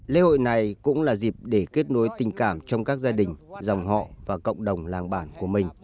lễ hội này cũng là dịp để kết nối tình cảm trong các gia đình dòng họ và cộng đồng làng bản của mình